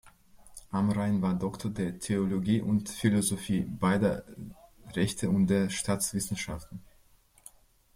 Amrhein war Doktor der Theologie und Philosophie, beider Rechte und der Staatswissenschaften.